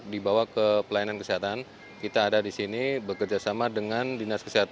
dipotongan stabilitator dan abnormal khidmat